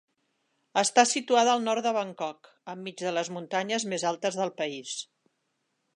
Està situada al nord de Bangkok, enmig de les muntanyes més altes del país.